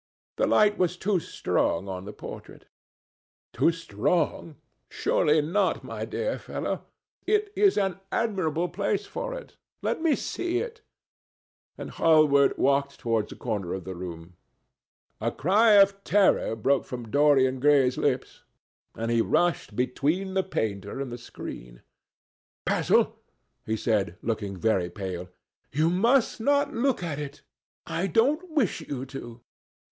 The light was too strong on the portrait." "Too strong! Surely not, my dear fellow? It is an admirable place for it. Let me see it." And Hallward walked towards the corner of the room. A cry of terror broke from Dorian Gray's lips, and he rushed between the painter and the screen. "Basil," he said, looking very pale, "you must not look at it. I don't wish you to."